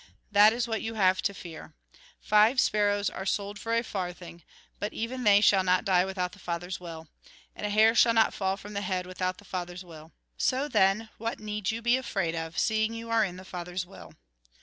That is what you have to fear. Five sparrows are sold for a farthing, but even they shall not die without the Father's will. And a hair shall not fall from the head without the Father's will. So then, what need you be afraid of, seeing you are in the Father's will